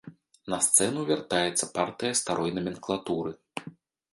На сцэну вяртаецца партыя старой наменклатуры.